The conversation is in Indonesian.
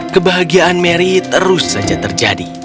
kebahagiaan mary terus saja terjadi